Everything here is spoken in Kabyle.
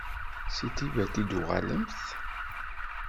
Seg Tibet i d-tuɣalemt?